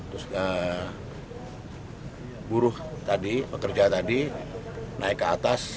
terus buruh tadi pekerja tadi naik ke atas